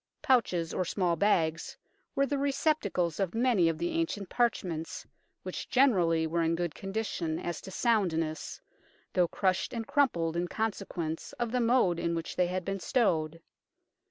Pouches, or small bags, were the receptacles of many of the ancient parchments, which generally were in good condition as to soundness, though crushed and crumpled in consequence of the mode in which they had been stowed.